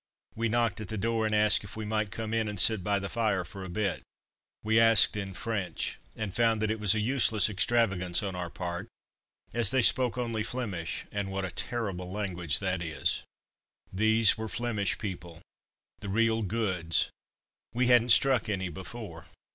We knocked at the door, and asked if we might come in and sit by the fire for a bit. We asked in French, and found that it was a useless extravagance on our part, as they only spoke Flemish, and what a terrible language that is! These were Flemish people the real goods; we hadn't struck any before.